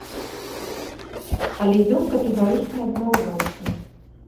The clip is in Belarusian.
Але ён катэгарычна адмаўляўся.